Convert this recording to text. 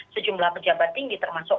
sejumlah pejabat tinggi termasuk